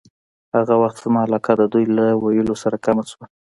هغه وخت زما علاقه د دوی له ویلو سره کمه شوه.